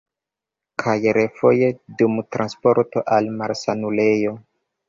Kaj refoje dum transporto al malsanulejo.